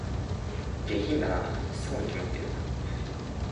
下品だなぁ、そうに決まってる